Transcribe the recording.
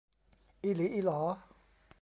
อิหลีอิหลอ